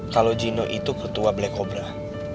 kalau cino itu ketua black cobra